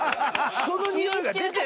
そのにおいが出てるんだよ。